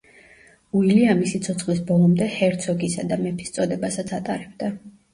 უილიამი სიცოცხლის ბოლომდე ჰერცოგისა და მეფის წოდებასაც ატარებდა.